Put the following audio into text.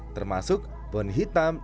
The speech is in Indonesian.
termasuk bun hitam